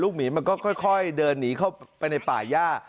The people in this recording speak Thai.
หมีมันก็ค่อยเดินหนีเข้าไปในป่าย่า